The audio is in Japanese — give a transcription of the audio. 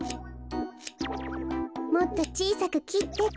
もっとちいさくきってと。